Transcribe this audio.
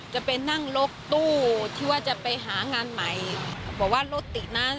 จะไปนั่งรถตู้ที่ว่าจะไปหางานใหม่บอกว่ารถติดนะ